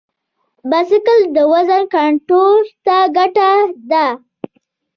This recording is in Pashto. بایسکل د وزن کنټرول ته ګټور دی.